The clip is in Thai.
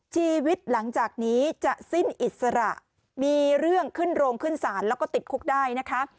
ชีวิตหลังจากนี้จะสิ้นอิสระมีเรื่องขึ้นโรงขึ้นศาลแล้วก็ติดคุกได้นะคะ